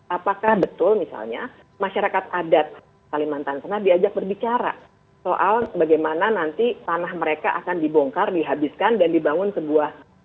apakah betul misalnya masyarakat adat salimantan pernah diajak berbicara soal bagaimana nanti tanah mereka akan dibongkar dihabiskan dan dibangun sebuah site yang diperlukan